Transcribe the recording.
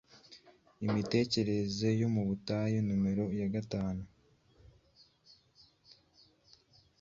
Imitekerereze yo mu butayu nomero ya gatanu